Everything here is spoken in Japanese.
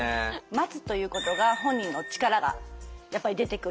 待つということが本人の力がやっぱり出てくる。